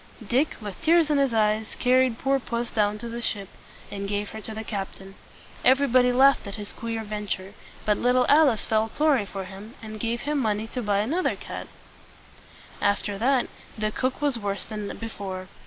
Dick, with tears in his eyes, carried poor puss down to the ship, and gave her to the captain. Everybody laughed at his queer venture; but little Alice felt sorry for him, and gave him money to buy another cat. After that, the cook was worse than before.